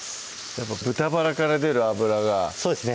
やっぱ豚バラから出る油がそうですね